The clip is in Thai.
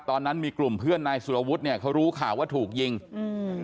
ตอนนั้นมีกลุ่มเพื่อนนายสุรวุฒิเนี่ยเขารู้ข่าวว่าถูกยิงอืม